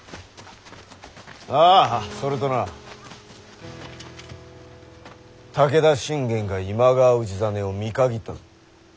ああそれとな武田信玄が今川氏真を見限ったぞ。